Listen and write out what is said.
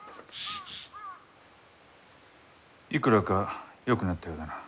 いくらかよくなったようだな。